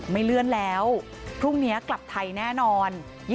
ไม่เลื่อนแล้วพรุ่งนี้กลับไทยแน่นอน